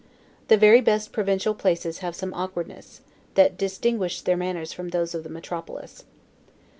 The very best provincial places have some awkwardness, that distinguish their manners from those of the metropolis.